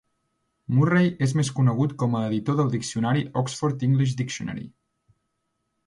Murray és més conegut com a editor del diccionari "Oxford English Dictionary".